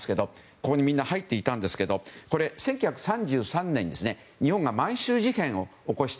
ここにみんな入っていたんですが１９３３年に日本が満州事変を起こした。